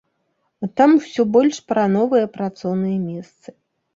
Там усё больш пра новыя працоўныя месцы.